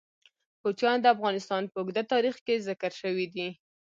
کوچیان د افغانستان په اوږده تاریخ کې ذکر شوی دی.